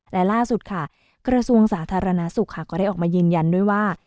และล่าสุดค่ะกระทรวงสาธารณสุขค่ะก็ได้ออกมายืนยันด้วยว่า